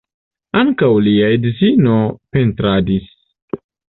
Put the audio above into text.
Ankaŭ lia edzino pentradis.